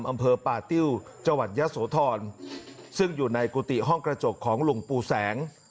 อำเภอป่าติ้วจังหวัดยะโสธรซึ่งอยู่ในกุฏิห้องกระจกของหลวงปู่แสง